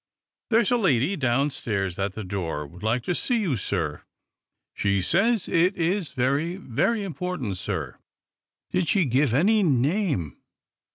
"There's a lady, downstairs at the door, would like to see you, sir. She says it is very, very important, sir." "Did she give any name?"